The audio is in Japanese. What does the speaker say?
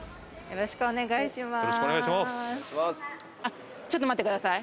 よろしくお願いします。